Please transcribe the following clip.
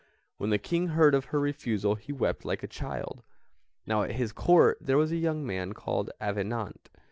When the King heard of her refusal he wept like a child. Now at his Court there was a young man called Avenant.